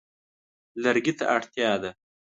لرګي ته اړتیا ده.